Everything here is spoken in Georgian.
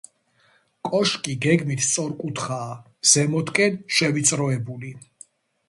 კოშკი გეგმით სწორკუთხაა, ზემოთკენ შევიწროებული.